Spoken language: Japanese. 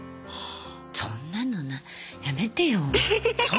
そんなのやめてよ。